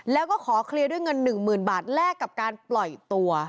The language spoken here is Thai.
แล้วก็ขอเคลียร์ด้วยเงิน๑๐๐๐บาทแลกกับการปล่อยตัว